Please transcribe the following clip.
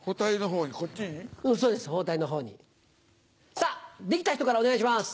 さぁ出来た人からお願いします。